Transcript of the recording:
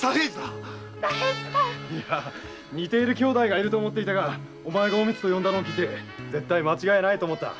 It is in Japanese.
似ている兄妹がいると思っていたがお前が“おみつ”と呼んだので絶対間違いないと思った。